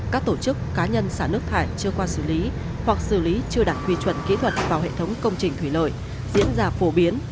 các tổ chức cá nhân xả nước thải chưa qua xử lý hoặc xử lý chưa đạt quy chuẩn kỹ thuật vào hệ thống công trình thủy lợi diễn ra phổ biến